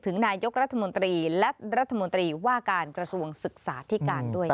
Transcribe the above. นายกรัฐมนตรีและรัฐมนตรีว่าการกระทรวงศึกษาที่การด้วยค่ะ